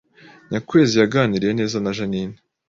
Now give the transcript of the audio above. Nyakwezi yaganiriye neza na Jeaninne